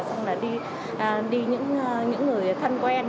xong là đi những người thân quen